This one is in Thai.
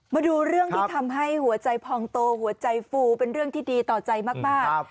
มาดูเรื่องที่ทำให้หัวใจพองโตหัวใจฟูเป็นเรื่องที่ดีต่อใจมาก